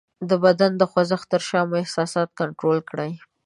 د بدن د خوځښت تر شا مو احساسات کنټرول کړئ :